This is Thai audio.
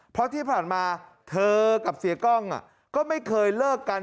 เพราะที่ผ่านมาเธอกับเสียกล้องก็ไม่เคยเลิกกัน